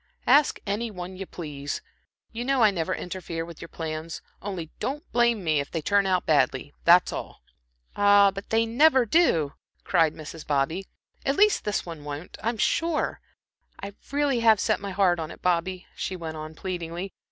"Ask any one you please. You know I never interfere with your plans. Only don't blame me if they turn out badly that's all." "Ah, but they never do," cried Mrs. Bobby, "at least this one won't, I'm sure. I really have set my heart on it, Bobby," she went on, pleadingly.